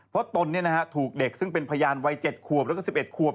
เพราะตนถูกเด็กซึ่งเป็นพยานวัย๗ขวบแล้วก็๑๑ขวบ